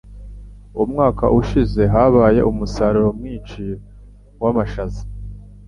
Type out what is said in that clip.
Umwaka ushize habaye umusaruro mwinshi wamashaza.